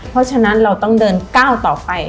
เพราะฉะนั้นเราต้องเดินก้าวต่อไป